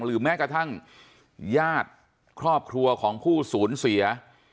แม้กระทั่งญาติครอบครัวของผู้สูญเสีย